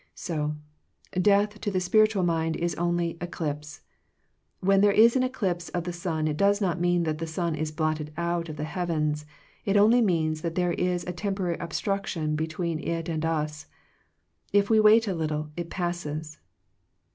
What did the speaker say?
So, death to the spiritual mind is only eclipse. When there is an eclipse of the sun it does not mean that the sun is blot ted out of the heavens: it only means that there is a temporary obstruction be tween it and us. If we wait a little, it passes.